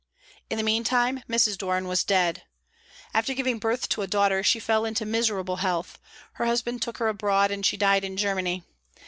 In the meantime, Mrs. Doran was dead. After giving birth to a daughter, she fell into miserable health; her husband took her abroad, and she died in Germany.